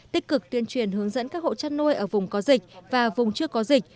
tích cực tuyên truyền hướng dẫn các hộ chăn nuôi ở vùng có dịch và vùng chưa có dịch